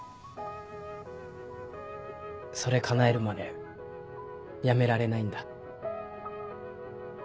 それ叶えるまでやめられないんだ。